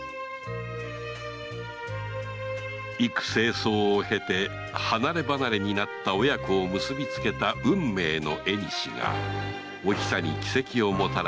幾星霜を経て離れ離れになった親子を結びつけた運命の縁がおひさに奇跡をもたらしたのだと吉宗は思った